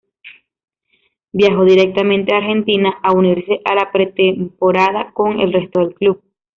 Viajó directamente a Argentina a unirse a la pretemporada con el resto del club.